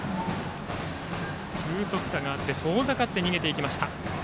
球速差があって遠ざかって逃げていきました。